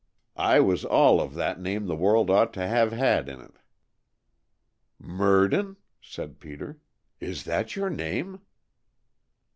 I was all of that name the world ought to have had in it " "Merdin?" said Peter. "Is that your name?"